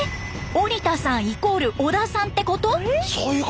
オリタさんイコール織田さんってこと？